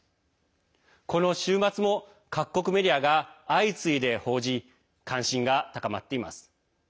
この週末も各国メディアが相次いで報じ関心が高まっています。